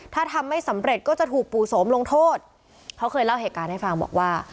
ถ้าทำไม่สำเร็จก็จะถูกปู่โสมลงโทษเขาเคยเล่าเหตุการณ์ให้ฟังบอกว่า